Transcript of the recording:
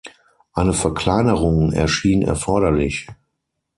Eine Verkleinerung erschien erforderlich.